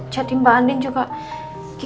jadi mbak andin juga gi